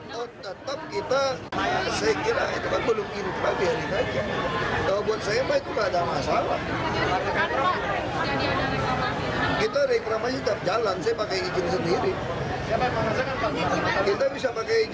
tau tetap kita saya kira itu kan belum ingin kembali hari ini aja